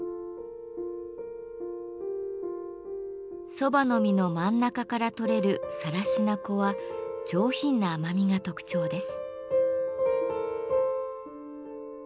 蕎麦の実の真ん中から取れる更科粉は上品な甘みが特徴です。